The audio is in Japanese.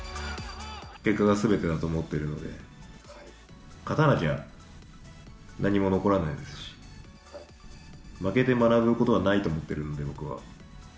結果がすべてだと思っているので、勝たなきゃ何も残らないですし、負けて学ぶことはないと思っているので、僕は。